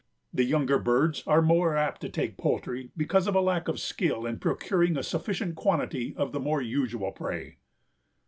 The younger birds are more apt to take poultry because of "a lack of skill in procuring a sufficient quantity of the more usual prey."